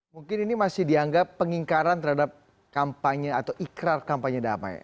mungkin ini masih dianggap pengingkaran terhadap kampanye atau ikrar kampanye damai